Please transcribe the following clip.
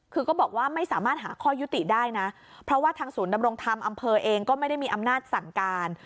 คือก็บอกว่าไม่สามารถหาข้อยุติได้นะเพราะว่าทางศูนย์ดำรงธรรมอำเภอเองก็ไม่ได้มีอำนาจสั่งการ